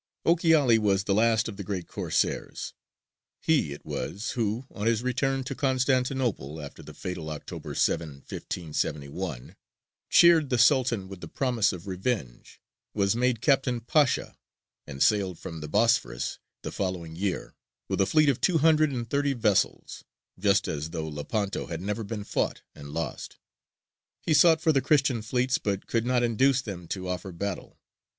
Ochiali was the last of the great Corsairs. He it was who, on his return to Constantinople after the fatal October 7, 1571, cheered the Sultan with the promise of revenge, was made Captain Pasha, and sailed from the Bosphorus the following year with a fleet of two hundred and thirty vessels, just as though Lepanto had never been fought and lost. He sought for the Christian fleets, but could not induce them to offer battle.